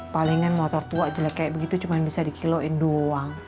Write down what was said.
palingan motor tua jelek kayak begitu cuman bisa di kiloin doang